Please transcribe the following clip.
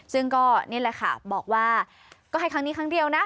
ซึ่งก็นี่แหละค่ะบอกว่าก็ให้ครั้งนี้ครั้งเดียวนะ